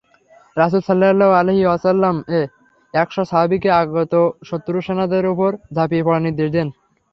রাসূল সাল্লাল্লাহু আলাইহি ওয়াসাল্লাম এ একশ সাহাবীকে আগত শত্রুসেনাদের উপর ঝাঁপিয়ে পড়ার নির্দেশ দেন।